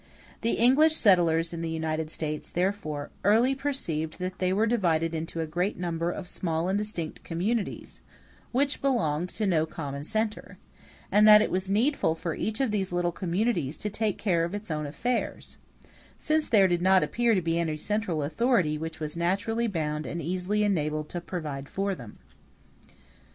The English settlers in the United States, therefore, early perceived that they were divided into a great number of small and distinct communities which belonged to no common centre; and that it was needful for each of these little communities to take care of its own affairs, since there did not appear to be any central authority which was naturally bound and easily enabled to provide for them.